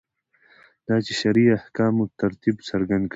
دا چې شرعي احکامو ترتیب څرګند کړي.